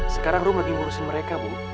sekarang rumah lagi ngurusin mereka bu